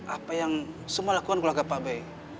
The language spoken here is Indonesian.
apa yang semua lakukan keluarga pak be